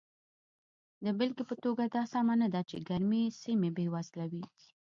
د بېلګې په توګه دا سمه نه ده چې ګرمې سیمې بېوزله وي.